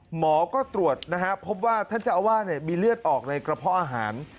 หมอก็ตรวจนะครับพบว่าท่านจะเอาว่าเนี่ยมีเลือดออกในกระเพาะอาหาร